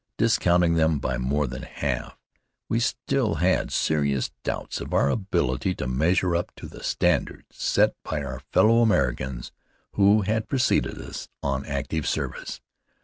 Discounting them by more than half, we still had serious doubts of our ability to measure up to the standard set by our fellow Americans who had preceded us on active service.